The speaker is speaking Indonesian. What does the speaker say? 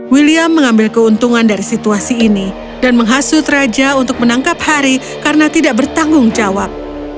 william mengambil keuntungan dari situasi ini dan menghasut raja untuk menangkap harry karena tidak bertanggung jawab